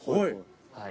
はい。